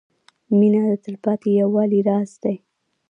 • مینه د تلپاتې یووالي راز دی.